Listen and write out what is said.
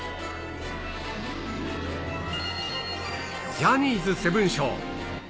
ジャニーズセブンショー。